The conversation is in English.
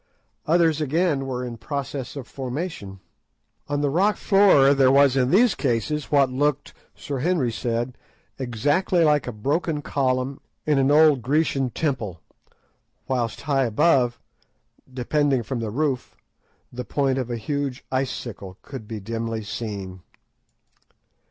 Others again were in process of formation. On the rock floor there was in these cases what looked, Sir Henry said, exactly like a broken column in an old Grecian temple, whilst high above, depending from the roof, the point of a huge icicle could be dimly seen.